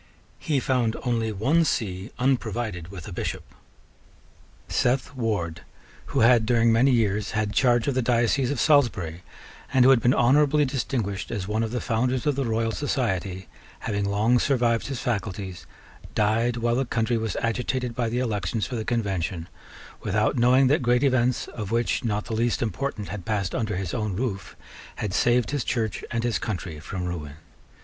He found only one see unprovided with a Bishop. Seth Ward, who had during many years had charge of the diocese of Salisbury, and who had been honourably distinguished as one of the founders of the Royal Society, having long survived his faculties, died while the country was agitated by the elections for the Convention, without knowing that great events, of which not the least important had passed under his own roof, had saved his Church and his country from ruin.